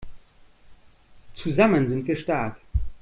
Zusammen sind wir stark!